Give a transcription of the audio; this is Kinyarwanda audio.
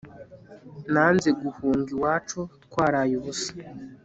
nanze guhunga iwacu twaraye ubusa